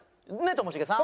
ともしげさん！